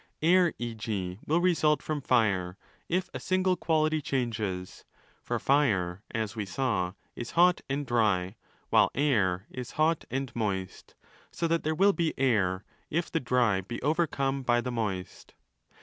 Air, e.g., will result from Fire if a single quality changes: for Fire, as we saw, is hot and dry while Air is hot and moist, so that there will be Air if the dry be overcome by 80 the moist.